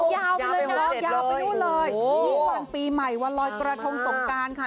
ยาวไปด้วยวันปีใหม่วันรอยตราทงสมการค่ะ